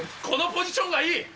このポジションがいい。